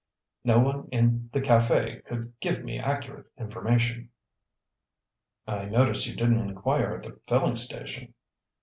No one in the café could give me accurate information." "I notice you didn't inquire at the filling station."